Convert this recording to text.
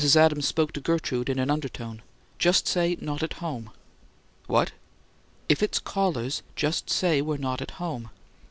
Adams spoke to Gertrude in an undertone: "Just say, 'Not at home.'" "What?" "If it's callers, just say we're not at home."